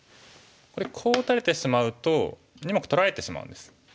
ここでこう打たれてしまうと２目取られてしまうんです。